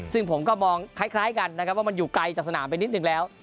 ซึ่งผมก็มองคล้ายกันนะครับว่ามันอยู่ไกลจากสนามไปนิดนึงแล้ว